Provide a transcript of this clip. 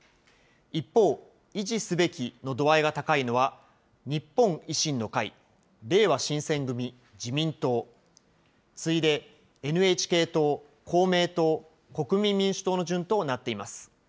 一方、維持すべきの度合いが高いのは、日本維新の会、れいわ新選組、自民党、次いでＮＨＫ党、公明党、国民民主党の順となっています。